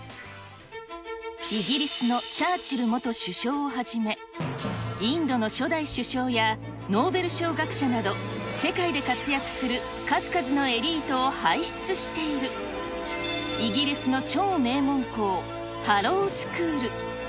イギリスのチャーチル元首相をはじめ、インドの初代首相やノーベル賞学者など、世界で活躍する数々のエリートを輩出している、イギリスの超名門校、ハロウスクール。